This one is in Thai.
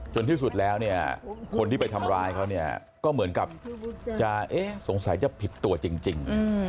จนที่สุดแล้วคนที่ไปทำร้ายเขาก็เหมือนกับสงสัยจะผิดตัวจริง